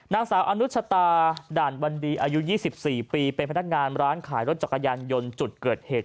นางสาวอนุชตาด่านวันดีอายุ๒๔ปีเป็นพนักงานร้านขายรถจักรยานยนต์จุดเกิดเหตุ